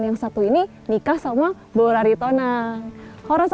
yang satu ini nikah sama borari tonang